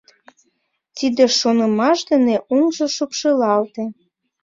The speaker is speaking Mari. Тиде шонымаш дене оҥжо шупшылалте.